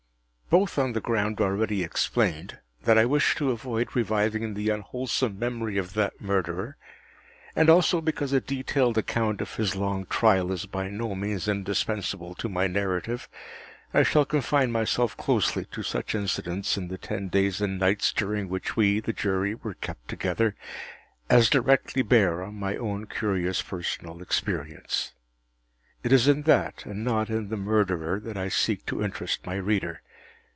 Both on the ground already explained, that I wish to avoid reviving the unwholesome memory of that Murderer, and also because a detailed account of his long trial is by no means indispensable to my narrative, I shall confine myself closely to such incidents in the ten days and nights during which we, the Jury, were kept together, as directly bear on my own curious personal experience. It is in that, and not in the Murderer, that I seek to interest my reader.